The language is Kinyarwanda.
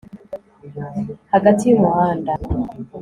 hagati y'umuhanda